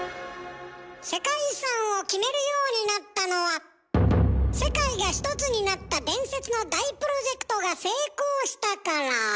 世界遺産を決めるようになったのは世界がひとつになった伝説の大プロジェクトが成功したから。